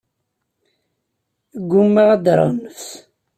Ggumaɣ ad d-rreɣ nnefs.